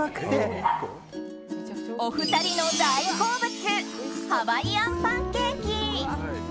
お二人の大好物ハワイアンパンケーキ。